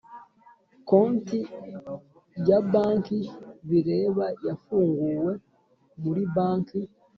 Konti ya banki bireba yafunguwe muri banki